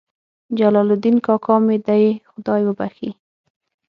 جلال الدین کاکا مې دې خدای وبخښي.